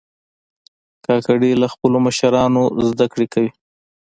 کاکړي له خپلو مشرانو زده کړه کوي.